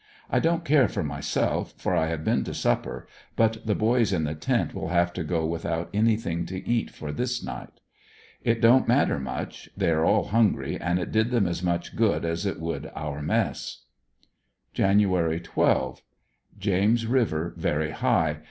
I don't care for mj^self for I have been to supper, but the boys in the tent will have to go without anything to eat for this night. It don't matter much — they are all hungry and it did them as much good as it would our mess, Jan. 12, — James River very high.